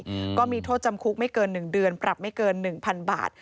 อืมก็มีโทษจำคุกไม่เกินหนึ่งเดือนปรับไม่เกินหนึ่งพันบาท